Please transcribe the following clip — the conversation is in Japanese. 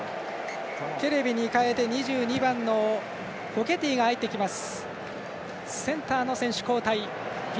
ケレビに代えて、２２番のフォケティが入ってきます。